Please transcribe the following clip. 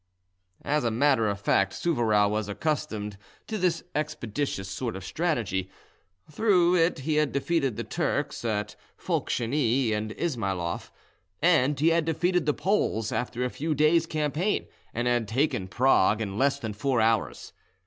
As a matter of fact Souvarow was accustomed to this expeditious sort of strategy: through it he had defeated the Turks at Folkschany and Ismailoff; and he had defeated the Poles, after a few days' campaign, and had taken Prague in less than four hours.